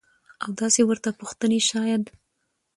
او داسې ورته پوښتنې شايد.